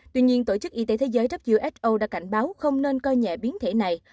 tuy nhiên tổ chức y tế thế giới who đã cảnh báo không nên coi nhẹ biến thể này